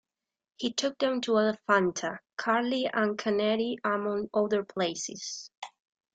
He took them to Elephanta, Karli and Kanheri among other places.